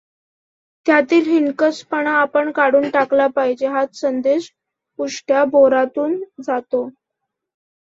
त्यातील हिणकसपणा आपण काढून टाकला पाहिजे हाच संदेश उष्ट्या बोरातून जातो.